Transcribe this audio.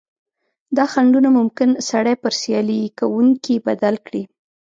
دا خنډونه ممکن سړی پر سیالي کوونکي بدل کړي.